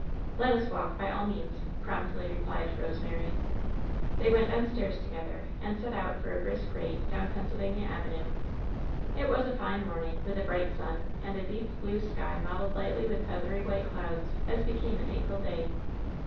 "Let us walk, by all means," promptly replied Kose mary. Then went downstairs together and set out for a brisk rate down Pennsylvania Avenue. It was a fine morning, with a bright sun, and a deep blue sky mottled lightly with feathery white clouds, as becamean April day.